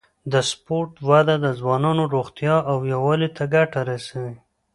د سپورت وده د ځوانانو روغتیا او یووالي ته ګټه رسوي.